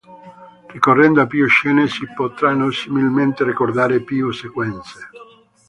Ricorrendo a più scene, si potranno similmente ricordare più sequenze.